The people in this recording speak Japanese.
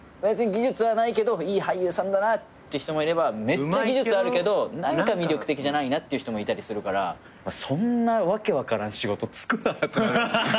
技術はないけどいい俳優さんだなって人もいればめっちゃ技術あるけど何か魅力的じゃないなっていう人もいたりするからそんな訳分からん仕事就くなって。